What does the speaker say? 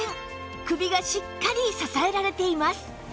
首がしっかり支えられています